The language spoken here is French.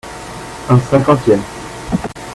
Un cinquantième.